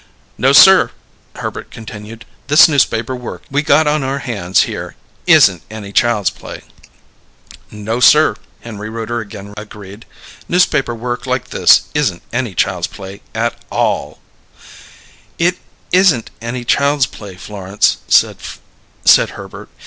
"No, sir," Herbert continued. "This newspaper work we got on our hands here isn't any child's play." "No, sir," Henry Rooter again agreed. "Newspaper work like this isn't any child's play at all!" "It isn't any child's play, Florence," said Herbert.